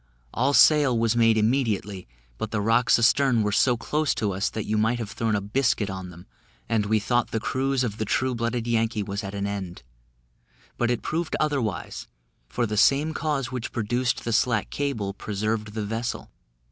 All sail was made immediately, but the rocks astern were so close to us, that you might have thrown a biscuit on them, and we thought the cruise of the True blooded Yankee was at an end; but it proved otherwise, for the same cause which produced the slack cable preserved the vessel.